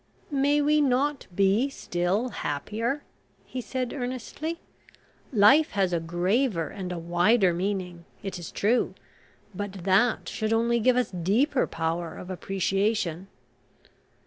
"May we not be still happier?" he said earnestly. "Life has a graver and a wider meaning, it is true, but that should only give us a deeper power of appreciation."